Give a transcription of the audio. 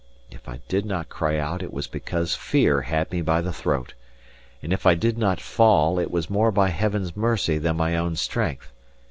If I did not cry out, it was because fear had me by the throat; and if I did not fall, it was more by Heaven's mercy than my own strength.